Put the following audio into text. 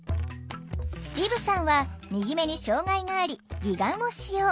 リブさんは右目に障害があり義眼を使用。